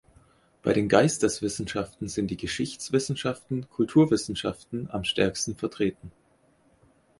Bei den Geisteswissenschaften sind die Geschichtswissenschaften, Kulturwissenschaften am stärksten vertreten.